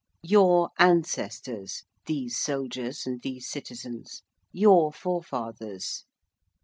Your ancestors, these soldiers and these citizens: your forefathers.